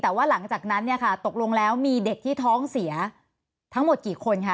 แต่ว่าหลังจากนั้นเนี่ยค่ะตกลงแล้วมีเด็กที่ท้องเสียทั้งหมดกี่คนคะ